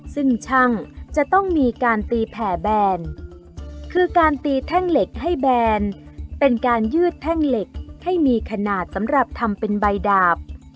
ซึ่งช่างจะต้องมีการตีแผ่แบนคือการตีแท่งเหล็กให้แบนเป็นการยืดแท่งเหล็กให้มีขนาดสำหรับทำเป็นใบดาบ